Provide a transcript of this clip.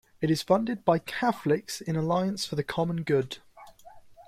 It is funded by Catholics in Alliance for the Common Good.